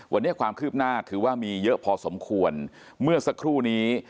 วันนี้ความคืบหน้าถือว่ามีเยอะพอสมควรเมื่อสักครู่นี้